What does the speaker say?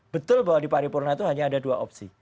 betul bahwa di paripurna itu hanya ada dua opsi